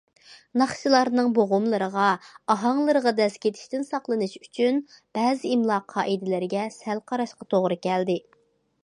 ناخشىلارنىڭ بوغۇملىرىغا، ئاھاڭلىرىغا دەز كېتىشتىن ساقلىنىش ئۈچۈن بەزى ئىملا قائىدىلىرىگە سەل قاراشقا توغرا كەلدى.